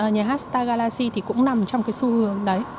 nhà hát star galaxy thì cũng nằm trong cái xu hướng đấy